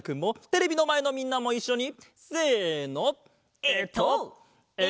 テレビのまえのみんなもいっしょに。